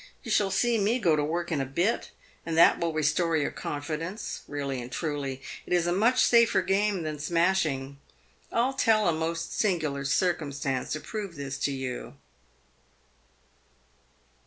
You shall see me go to work a bit, and that will restore your confi dence. Really and truly, it is a much safer game than smashing. I'll tell a most singular circumstance to prove this to you."